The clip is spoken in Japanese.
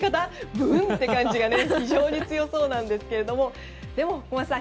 ブン！って感じが非常に強そうなんですがでも、小松さん